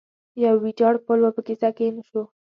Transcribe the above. یو ویجاړ پل و، په کیسه کې یې نه شو.